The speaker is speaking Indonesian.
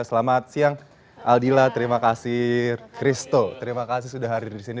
selamat siang aldila terima kasih christo terima kasih sudah hadir di sini